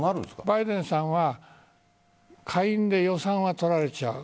バイデンさんは下院で予算は取られちゃう。